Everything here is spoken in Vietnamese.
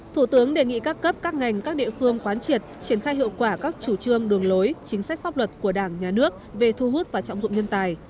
thủ tướng đề nghị các cấp các ngành các địa phương quán triệt triển khai hiệu quả các chủ trương đường lối chính sách pháp luật của đảng nhà nước về thu hút và trọng dụng nhân tài